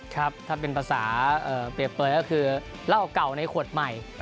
ครับถ้าเป็นภาษาเปรียบเปลยก็คือเหล้าเก่าในขวดใหม่